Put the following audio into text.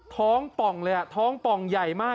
ท้องป่องเลยอ่ะท้องป่องใหญ่มาก